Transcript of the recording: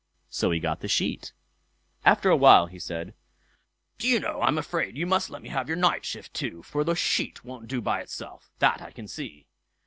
So he got the sheet. After a while he said: "Do you know I am afraid you must let me have your nightshift too, for the sheet won't do by itself; that I can see."